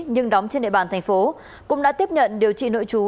nhưng đóng trên hệ bàn thành phố cũng đã tiếp nhận điều trị nội trú